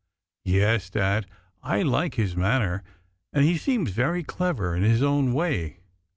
"Yes, Dad; I like his manner, and he seems very clever in his own way.